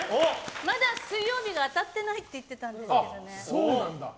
まだ水曜日が当たってないって言ってたんですけどね。